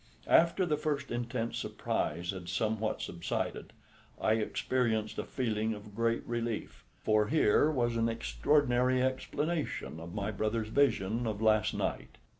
After the first intense surprise had somewhat subsided, I experienced a feeling of great relief, for here was an extraordinary explanation of my brother's vision of last night.